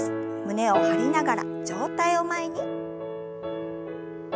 胸を張りながら上体を前に。